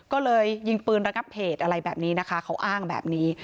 ก็เลยยิงปืนระงับเหตุอะไรแบบนี้นะคะเขาอ้างแบบนี้